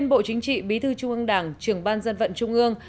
bộ chính trị bí thư trung ương đảng trưởng ban dân vận trung ương